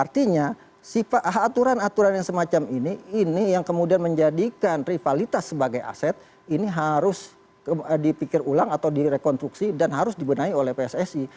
artinya aturan aturan yang semacam ini ini yang kemudian menjadikan rivalitas sebagai aset ini harus dipikir ulang atau direkonstruksi dan harus dibenahi oleh pssi